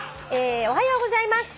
「おはようございます」